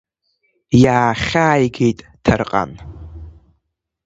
Иаахьааигеит Ҭарҟан.